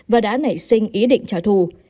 và đã nảy sinh ý định trả thù